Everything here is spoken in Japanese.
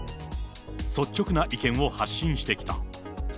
率直な意見を発信してきた。